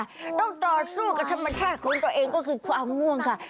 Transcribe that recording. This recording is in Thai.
ต้องต่อสู้กับธรรมชาติของตัวเองก็คือความง่วงค่ะ